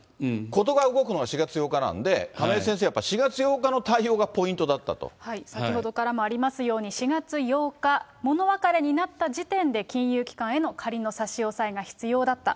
事が動くのは４月８日なんで、亀井先生、やっぱり４月８日の対先ほどからもありますように４月８日、物別れになった時点で、金融機関への仮の差し押さえが必要だった。